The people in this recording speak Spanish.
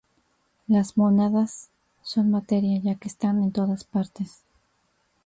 Las mónadas son materia, ya que están en todas partes.